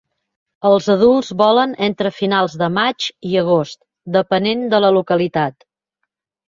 Els adults volen entre finals de maig i agost, depenent de la localitat.